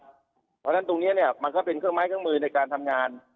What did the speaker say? เพราะฉะนั้นตรงนี้เนี่ยมันก็เป็นเครื่องไม้เครื่องมือในการทำงาน